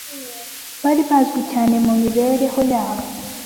bari bazwi cyane mu mibereho yabo